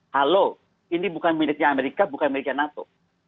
halo ini bukan miliknya amerika bukan miliknya nato